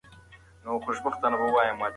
که موږ یوازې حقایق ووایو نو کافی نه دی.